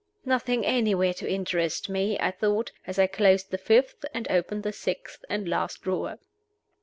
"Nothing anywhere to interest me," I thought, as I closed the fifth, and opened the sixth and last drawer.